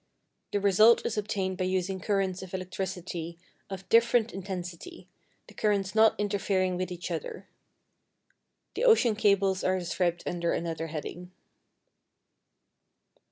The result is obtained by using currents of electricity of different intensity, the currents not interfering with each other. The ocean cables are described under another heading.